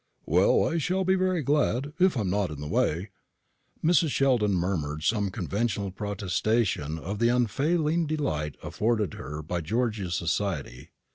"Well, I shall be very glad, if I'm not in the way." Mrs. Sheldon murmured some conventional protestation of the unfailing delight afforded to her by George's society.